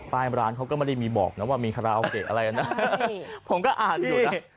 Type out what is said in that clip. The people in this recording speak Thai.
ร้านเขาก็ไม่ได้มีบอกนะว่ามีคาราโอเกะอะไรนะผมก็อ่านอยู่นะ